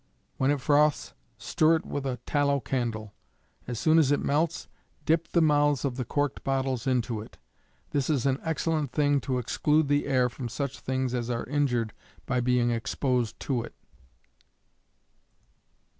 When it froths stir it with a tallow candle. As soon as it melts, dip the mouths of the corked bottles into it. This is an excellent thing to exclude the air from such things as are injured by being exposed to it. DRUGGISTS' DEPARTMENT.